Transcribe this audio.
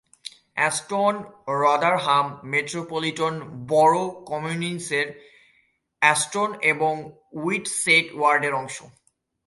Aston Rotherham metropolitan borough কাউন্সিলের Aston এবং Woodsetts ওয়ার্ডের অংশ।